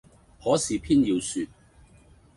可是偏要説，